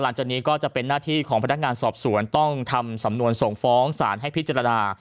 หลังจากนี้ก็จะเป็นหน้าที่ของพนักงานสอบสวนต้องทำสำนวนส่งฟ้องศาลให้พิจารณา